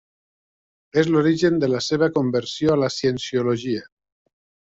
És l'origen de la seva conversió a la Cienciologia.